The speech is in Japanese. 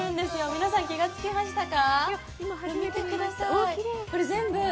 皆さん気がつきましたか？